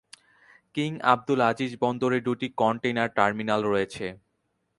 King Abdul Aziz বন্দরে দুটি container terminal রয়েছে।